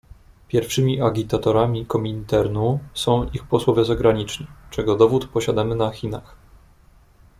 "Pierwszymi agitatorami Kominternu są ich posłowie zagraniczni, czego dowód posiadamy na Chinach."